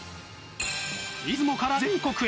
出雲から全国へ。